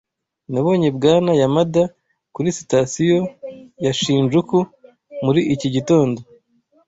Nabonye Bwana Yamada kuri Sitasiyo ya Shinjuku muri iki gitondo.